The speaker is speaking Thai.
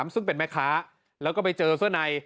ซึ่งเป็นแม่ค้าแล้วก็ไปเจอเสื้อใน